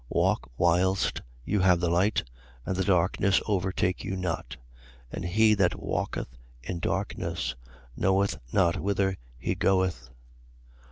Walk whilst you have the light, and the darkness overtake you not. And he that walketh in darkness knoweth not whither be goeth.